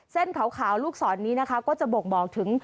เส้นขาวลูกศรนี้นะคะก็จะบ่งบอกถึง